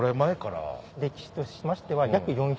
歴史としましては。